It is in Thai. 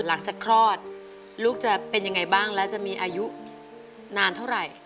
หลังจากคลอดลูกจะเป็นยังไงบ้างและจะมีอายุนานเท่าไหร่